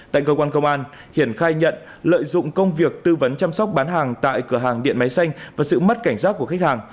tại cơ quan công an hiển khai nhận lợi dụng công việc tư vấn chăm sóc bán hàng tại cửa hàng điện máy xanh và sự mất cảnh giác của khách hàng